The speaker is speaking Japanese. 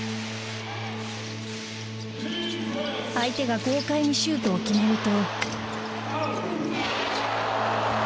相手が豪快にシュートを決めると。